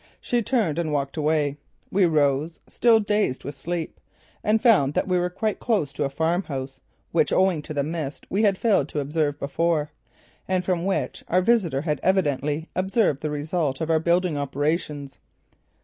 She turned and walked away. We rose, still dazed with sleep, and found that we were quite close to a farmhouse which owing to the mist we had failed to observe before, and from which our visitor had evidently observed the result of our building operations.